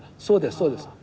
そうですそうです。